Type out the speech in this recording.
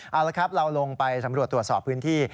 เอาละครับเราลงไปสำรวจตรวจสอบพื้นที่